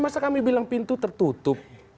masa kami bilang pintu tertutup